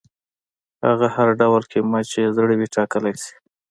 هغه هر ډول قیمت چې یې زړه وي ټاکلی شي.